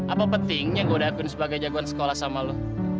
apa pentingnya gue udah akuin sebagai jagoan sekolah sama lo